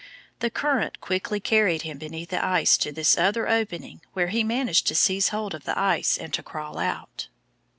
The current quickly carried him beneath the ice to this other opening where he managed to seize hold of the ice and to crawl out.